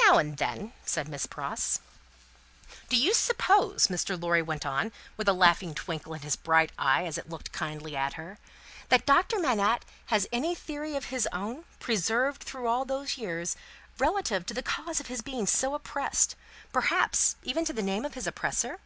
"Now and then," said Miss Pross. "Do you suppose," Mr. Lorry went on, with a laughing twinkle in his bright eye, as it looked kindly at her, "that Doctor Manette has any theory of his own, preserved through all those years, relative to the cause of his being so oppressed; perhaps, even to the name of his oppressor?"